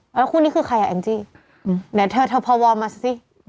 แล้วคู่นี้คือใครอ่ะแองจี้เดี๋ยวเธอเธอพอวอร์มาสิ